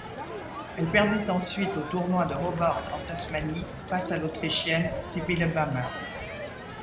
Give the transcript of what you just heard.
Elle perdit ensuite au tournoi de Hobart en Tasmanie face à l’Autrichienne Sybille Bammer.